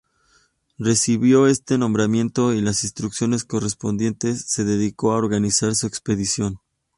Recibido este nombramiento y las instrucciones correspondientes, se dedicó a organizar su expedición.